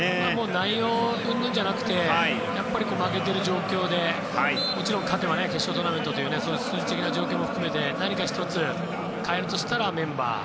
内容うんぬんじゃなくて負けている状況でもちろん勝てば決勝トーナメントという数字的な条件も含めて何か１つ代えるとしたらメンバー。